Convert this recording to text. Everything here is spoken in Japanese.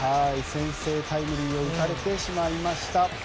先制タイムリーを打たれてしまいました。